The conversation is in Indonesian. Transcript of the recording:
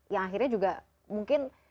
yang akhirnya juga mungkin